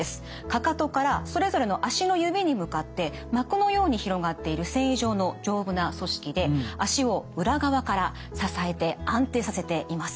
かかとからそれぞれの足の指に向かって膜のように広がっている線維状の丈夫な組織で足を裏側から支えて安定させています。